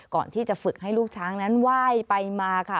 ก่อนที่จะฝึกให้ลูกช้างนั้นไหว้ไปมาค่ะ